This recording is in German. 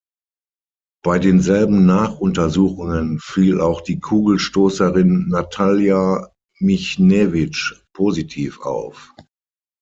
Bei denselben Nachuntersuchungen fiel auch die Kugelstoßerin Natallja Michnewitsch positiv auf.